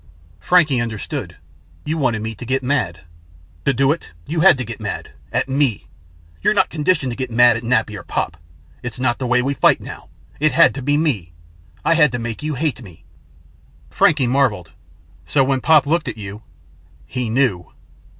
Frankie understood. "You wanted me to get mad!" "To do it, you had to get mad at me. You're not conditioned to get mad at Nappy or Pop. It's not the way we fight now. It had to be me. I had to make you hate me." Frankie marveled. "So when Pop looked at you " "He knew."